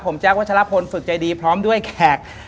ผมแจ๊ควัชลพลฝึกใจดีพร้อมด้วยแขก